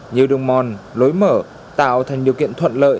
nhiều đường mòn lối mở tạo thành điều kiện thuận lợi